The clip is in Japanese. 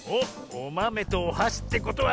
おまめとおはしってことは。